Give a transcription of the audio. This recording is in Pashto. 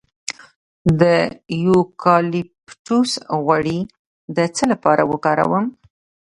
د یوکالیپټوس غوړي د څه لپاره وکاروم؟